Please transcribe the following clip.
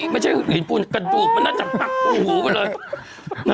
ไม่ใช่หินปูนกระดูกมันน่าจะตักปูหูไปเลย